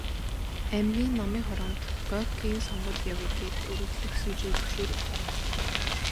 Аймгийн Намын хороонд Горькийн сургуульд явъя гээд өргөдөл өгсөн чинь зөвшөөрөөгүй.